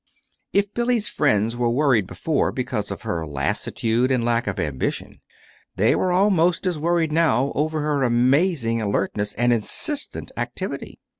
If Billy's friends were worried before because of her lassitude and lack of ambition, they were almost as worried now over her amazing alertness and insistent activity.